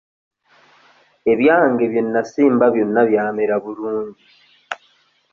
Ebyange bye nnasimba byonna byamera bulungi.